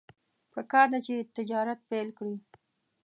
پکار ده چې تجارت پیل کړي.